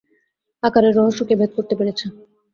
আকারের রহস্য কে ভেদ করতে পেরেছে?